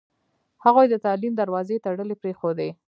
هغوی د تعلیم دروازې تړلې پرېښودې.